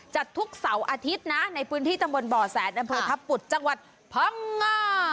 จัดทุกเสาร์อาทิตย์นะในพื้นที่จังหวันบ่อแสนนับโภษธปุตรจังหวัดพังง่า